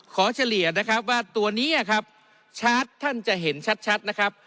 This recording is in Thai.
เฉลี่ยนะครับว่าตัวนี้ครับชาร์จท่านจะเห็นชัดนะครับ